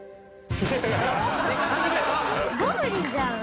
ゴブリンじゃん！